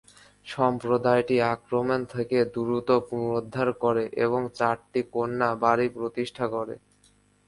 সম্প্রদায়টি আক্রমণ থেকে দ্রুত পুনরুদ্ধার করে এবং চারটি কন্যা বাড়ি প্রতিষ্ঠা করে।